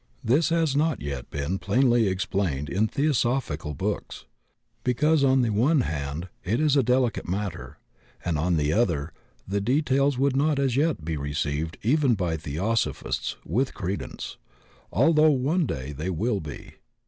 This has not yet been plainly explained in Theosophical books, because on the one hand it is a delicate matter, and on the other the details would not as yet be received even by Theosophists with credence, although one day they will be.